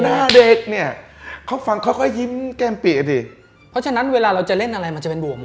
หน้าเด็กเนี่ยเขาฟังเขาก็ยิ้มแก้มปีอ่ะสิเพราะฉะนั้นเวลาเราจะเล่นอะไรมันจะเป็นบวกหมด